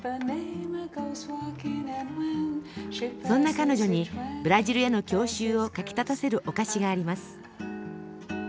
そんな彼女にブラジルへの郷愁をかきたたせるお菓子があります。